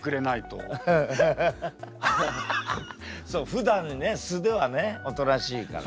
ふだんね素ではねおとなしいから。